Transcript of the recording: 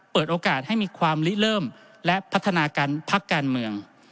เปิดโอกาสให้มีความลิเริ่มและพัฒนาการพักการเมือง